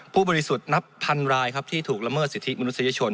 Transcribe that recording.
บริสุทธิ์นับพันรายครับที่ถูกละเมิดสิทธิมนุษยชน